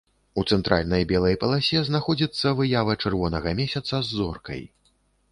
У цэнтральнай белай паласе знаходзіцца выява чырвонага месяца з зоркай.